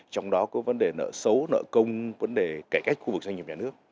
trong đó có vấn đề nợ xấu nợ công vấn đề cải cách khu vực doanh nghiệp nhà nước